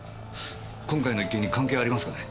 今回の一件に関係ありますかね？